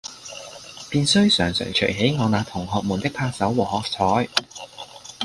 便須常常隨喜我那同學們的拍手和喝采。